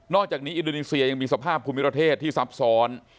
อกจากนี้อินโดนีเซียยังมีสภาพภูมิประเทศที่ซับซ้อน